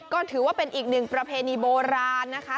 ก็ถือว่าเป็นอีกหนึ่งประเพณีโบราณนะคะ